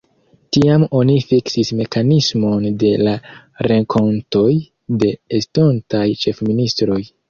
Tiam oni fiksis mekanismon de la renkontoj de estontaj ĉefministroj.